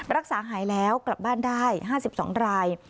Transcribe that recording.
รักษาหายแล้วกลับบ้านได้๕๒ราย